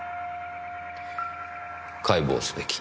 解剖すべき。